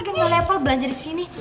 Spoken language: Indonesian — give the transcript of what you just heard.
agak gak level belanja di sini